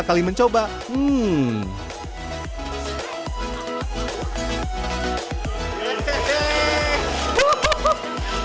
pertama kali mencoba hmmm